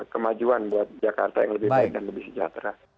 kemajuan buat jakarta yang lebih baik dan lebih sejahtera